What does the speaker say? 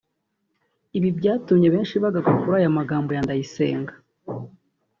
Ibi byatumye benshi bagaruka kuri aya magambo ya Ndayisenga